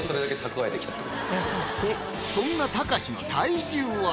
そんなたかしの体重は？